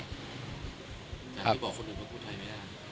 แต่พี่บอกคนหนึ่งว่าพูดไทยไม่ได้